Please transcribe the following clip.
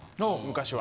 昔は。